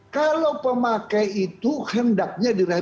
kalau pemakai itu hendaknya